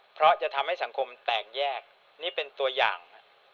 เพราะจะทำให้สังคมแตกแยกนี่เป็นตัวอย่าง